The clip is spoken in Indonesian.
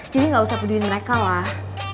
jadi gak usah peduin mereka lah